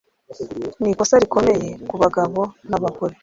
Ni ikosa rikomeye ku bagabo nabagore